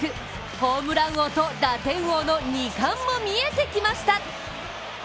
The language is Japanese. ホームラン王と打点王の２冠も見えてきました。